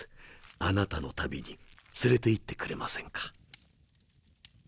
あなたの旅に連れていってくれませんか？